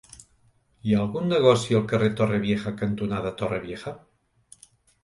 Hi ha algun negoci al carrer Torrevieja cantonada Torrevieja?